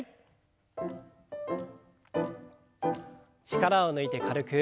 力を抜いて軽く。